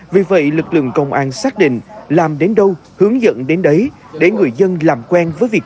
vì vậy lực lượng công an xác định làm đến đâu hướng dẫn đến đấy để người dân làm quen với việc